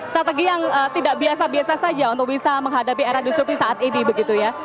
strategi yang tidak biasa biasa saja untuk bisa menghadapi era diskusi saat ini begitu ya